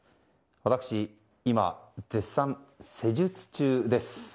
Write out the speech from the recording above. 私、今、絶賛施術中です。